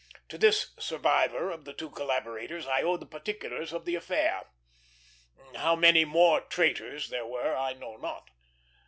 To this survivor of the two collaborators I owe the particulars of the affair. How many more "traitors" there were I know not.